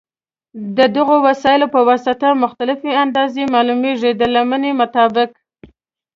د دغو وسایلو په واسطه مختلفې اندازې معلومېږي د لمنې مطابق.